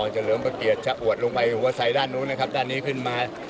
จะเหลืองประเกียจจะอวดลงไปหัวใสด้านนู้นนะครับด้านนี้ขึ้นมา